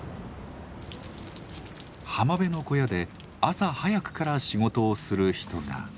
浜辺の小屋で朝早くから仕事をする人が。